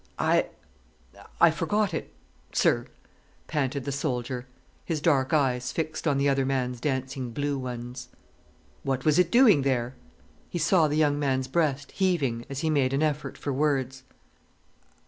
"I—I forgot it—sir," panted the soldier, his dark eyes fixed on the other man's dancing blue ones. "What was it doing there?" He saw the young man's breast heaving as he made an effort for words.